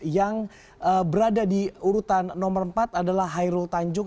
yang berada di urutan nomor empat adalah hairul tanjung